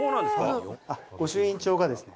御朱印帳がですね